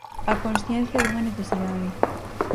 A consciencia dunha necesidade.